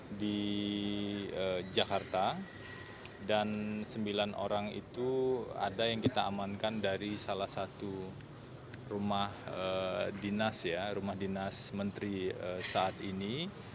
ada di jakarta dan sembilan orang itu ada yang kita amankan dari salah satu rumah dinas ya rumah dinas menteri saat ini